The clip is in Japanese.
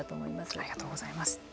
ありがとうございます。